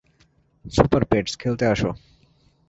Super-Pets, খেলতে আসো।